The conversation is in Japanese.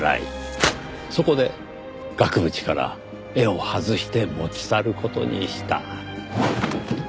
そこで額縁から絵を外して持ち去る事にした。